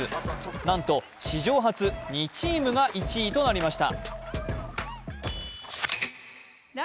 なんと史上初、２チームが１位となりました。